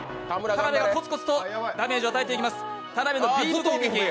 たなべがコツコツとダメージを与えていきます。